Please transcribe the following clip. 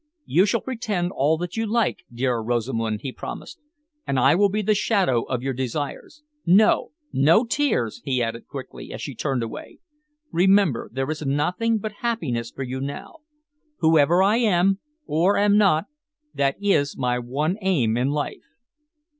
"You shall pretend all that you like, dear Rosamund," he promised, "and I will be the shadow of your desires. No! No tears!" he added quickly, as she turned away. "Remember there is nothing but happiness for you now. Whoever I am or am not, that is my one aim in life."